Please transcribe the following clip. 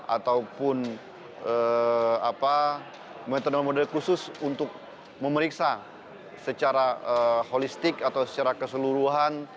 ataupun metode khusus untuk memeriksa secara holistik atau secara keseluruhan